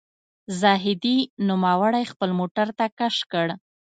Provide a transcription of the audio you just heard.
زاهدي نوموړی خپل موټر ته کش کړ.